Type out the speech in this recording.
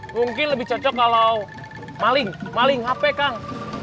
mungkin lebih cocok kalau maling maling hp kang